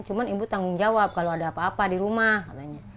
cuma ibu tanggung jawab kalau ada apa apa di rumah katanya